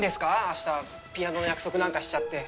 明日ピアノの約束なんかしちゃって。